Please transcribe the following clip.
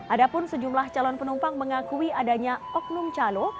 adapun sejumlah calon penumpang mengakui adanya oknum calo